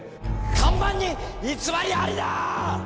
看板に偽りありだーっ！